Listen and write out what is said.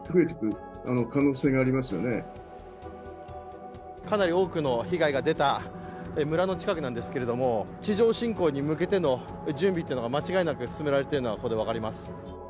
専門家はかなり多くの被害が出た村の近くなんですけれども地上侵攻に向けての準備というのが間違いなく進められているのがこちらで分かります。